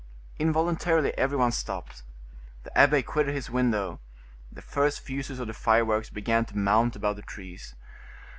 Involuntarily every one stopped; the abbe quitted his window; the first fuses of the fireworks began to mount above the trees.